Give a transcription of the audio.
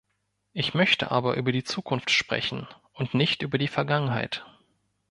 Ich möchte aber über die Zukunft sprechen und nicht über die Vergangenheit.